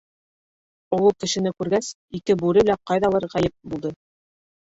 Оло кешене күргәс, ике бүре лә ҡайҙалыр ғәйеп булды.